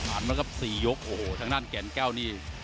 มาครับสี่ยกโอ้โหทางด้านแก่นแก้วนี่